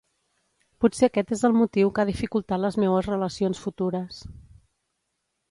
Potser aquest és el motiu que ha dificultat les meues relacions futures.